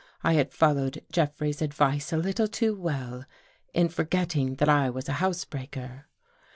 I had fol lowed Jeffrey's advice a little too well In forgetting that I was a housebreaker.